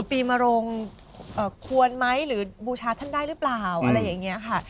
เอ๊ะปีมาโรงเอ่อควรไหมหรือบูชาท่านได้หรือเปล่าอะไรอย่างเงี้ยค่ะ